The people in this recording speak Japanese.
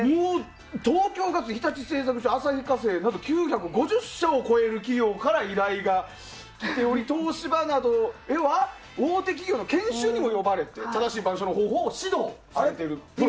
東京ガス、日立製作所旭化成など９５０社を超える企業から依頼が来ており、東芝など大手企業の研修にも呼ばれて正しい板書の方法を指導されていると。